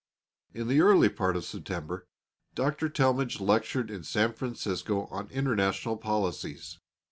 In the early part of September Dr. Talmage lectured in San Francisco on International Policies.